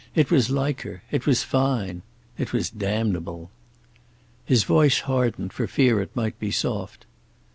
It was like her. It was fine. It was damnable. His voice hardened, for fear it might be soft.